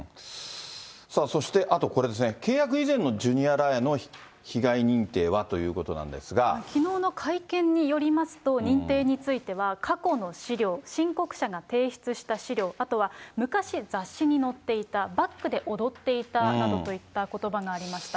そしてあとこれですね、契約以前のジュニアらへの被害認定はきのうの会見によりますと、認定については過去の資料、申告者が提出した資料、あとは昔雑誌に載っていた、バックで踊っていたなどといったことばがありました。